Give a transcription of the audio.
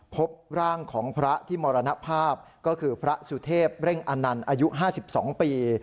พบร่างของพระที่มรณภาพก็คือพระสุเทพเร่งอนันต์อายุ๕๒ปี